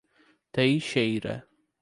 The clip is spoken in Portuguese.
Teixeira